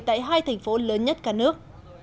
tại hai thành phố lớn nhất cả nước